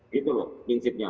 gitu loh prinsipnya